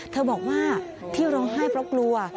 เธอบอกว่าที่ร้องไห้เพราะกลัว